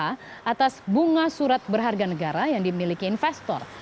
atas bunga surat berharga negara yang dimiliki investor